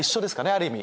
ある意味。